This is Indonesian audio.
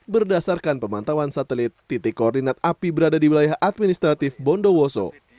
berdasarkan pemantauan satelit titik koordinat api berada di wilayah administratif bondowoso